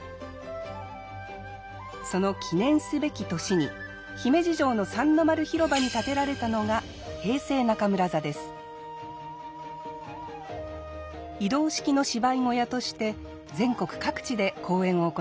その記念すべき年に姫路城の三の丸広場に建てられたのが移動式の芝居小屋として全国各地で公演を行っています。